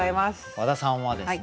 和田さんはですね